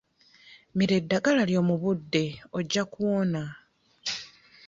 Mira eddagala lyo mu budde, ojja kuwona.